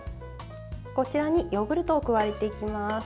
こちらにヨーグルトを加えていきます。